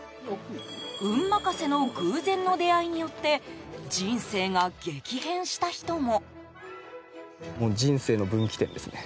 運任せの偶然の出会いによって人生が激変した人も。